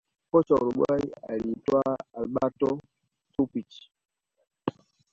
kocha wa uruguay aliitwa alberto suppici